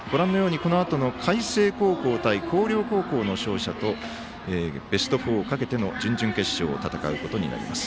このあと、海星高校対広陵高校の勝者とベスト４をかけての準々決勝を戦うことになります。